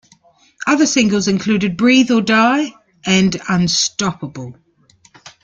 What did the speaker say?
Other singles included "Breathe or Die" and "Unstoppable".